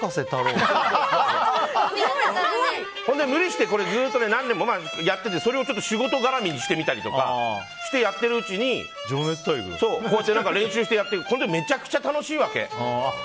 ずっと無理して何年もやっててそれを仕事絡みにしてみたりとかしてやってるうちにこうやって練習してみるとめちゃくちゃ楽しいわけ。